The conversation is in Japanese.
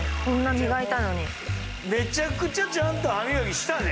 めちゃくちゃちゃんと歯磨きしたで。